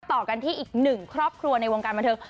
ต่อกันที่อีกหนึ่งครอบครัวในวงการบันเทิง